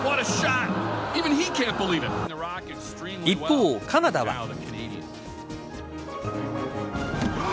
一方、カナダは。